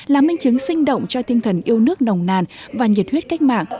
là minh chứng sinh động cho tinh thần yêu nước nồng nàn và nhiệt huyết cách mạng